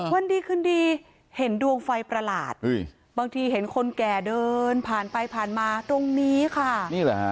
วันดีคืนดีเห็นดวงไฟประหลาดบางทีเห็นคนแก่เดินผ่านไปผ่านมาตรงนี้ค่ะนี่แหละฮะ